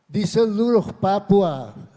di seluruh papua